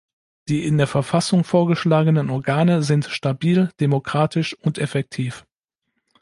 Die in der Verfassung vorgeschlagenen Organe sind stabil, demokratisch und effektiv.